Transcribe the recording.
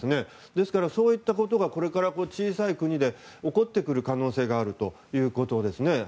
ですから、そうしたことがこれから小さい国で起こってくる可能性があるということです。